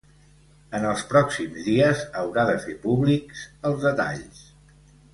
En els pròxims dies haurà de fer públics els detalls.